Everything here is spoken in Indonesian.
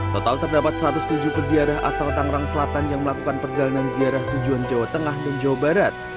total terdapat satu ratus tujuh peziarah asal tangerang selatan yang melakukan perjalanan ziarah tujuan jawa tengah dan jawa barat